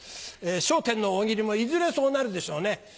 『笑点』の大喜利もいずれそうなるでしょうね。